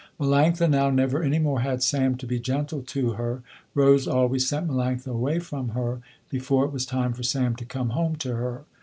Melanctha now never any more had Sam to be gentle to her. Rose always sent Melanctha away from her before it was time for Sam to come home to her.